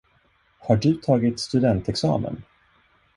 Har du tagit studentexamen?